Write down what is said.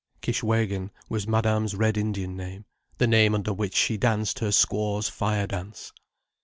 Kishwégin was Madame's Red Indian name, the name under which she danced her Squaw's fire dance.